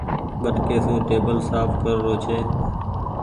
ٻٽڪي سون ٽيبل سآڦ ڪر رو ڇي۔